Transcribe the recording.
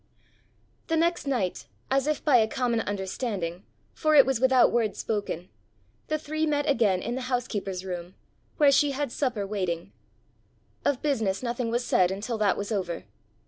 The next night, as if by a common understanding, for it was without word spoken, the three met again in the housekeeper's room, where she had supper waiting. Of business nothing was said until that was over.